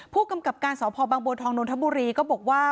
ผู้กำกับการสพบังบัวทองนนทบุรีก็บอกว่า